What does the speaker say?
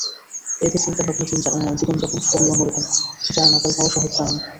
এঁদের চিন্তাভাবনা, জীবনযাপন—সবই অন্য রকম, যার নাগাল সহজে পাওয়া যায় না।